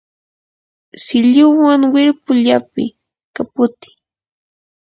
silluwan wirpu llapiy, kaputiy